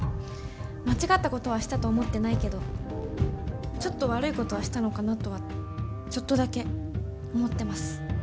間違ったことはしたと思ってないけど、ちょっと悪いことはしたのかなとはちょっとだけ思ってます。